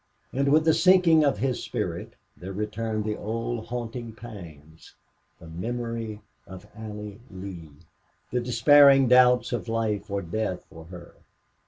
And with the sinking of his spirit there returned the old haunting pangs the memory of Allie Lee, the despairing doubts of life or death for her.